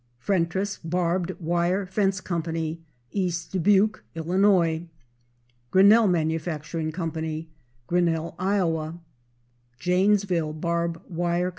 Frentress Barbed Wire Fence Co., East Dubuque, Ill. Grinnell Manufacturing Co., Grinnell, Iowa. Janesville Barb Wire Co.